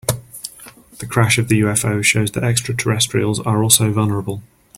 The crash of the UFO shows that extraterrestrials are also vulnerable.